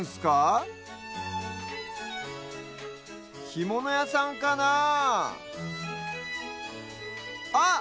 ひものやさんかなああっ！